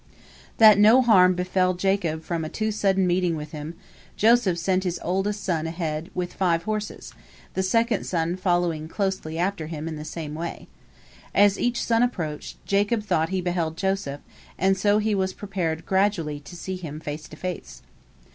That no harm befall Jacob from a too sudden meeting with him, Joseph sent his oldest son ahead with five horses, the second son following close after him in the same way. As each son approached, Jacob thought he beheld Joseph, and so he was prepared gradually to see him face to face.